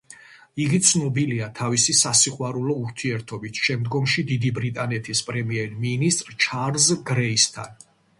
იგი ცნობილია თავისი სასიყვარულო ურთიერთობით შემდგომში დიდი ბრიტანეთის პრემიერ-მინისტრ ჩარლზ გრეისთან.